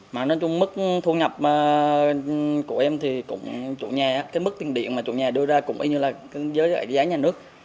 mức thu nhập của em thì cũng chủ nhà cái mức tiền điện mà chủ nhà đưa ra cũng y như là giới giải giá nhà nước